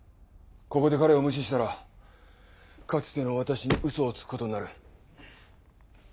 ここで彼を無視したらかつての私に嘘をつくことになる。